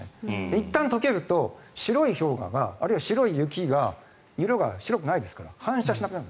いったん解けると白い氷河が、あるいは白い雪が色が白くないから反射しなくなる。